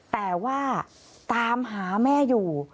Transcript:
แต่ว่าตามหาแม่อยู่